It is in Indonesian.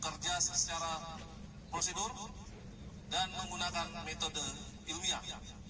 kerja secara prosedur dan menggunakan metode ilmiah